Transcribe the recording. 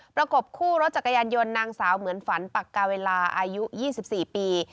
ประกบคู่รถจักรยานยนต์นางสาวเหมือนฝันปักกาเวลาอายุ๒๔ปี